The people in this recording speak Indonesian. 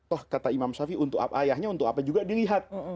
oh kata imam shafi tuhan untuk ayahnya untuk apa juga dilihat